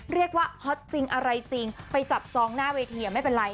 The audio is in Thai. ฮอตจริงอะไรจริงไปจับจองหน้าเวทีไม่เป็นไร